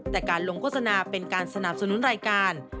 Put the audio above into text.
แต่การลงโฆษณาเป็นการสนับสนุนรายการ